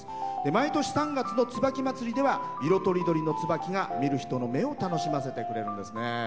毎年３月の椿まつりでは色とりどりの椿が見る人の目を楽しませてくれるんですね。